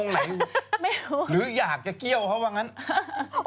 หรืออยากกระกี่ยวเขาเพราะว่างั้น